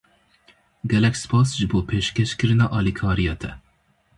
Gelek spas ji bo pêşkêşkirina alîkariya te!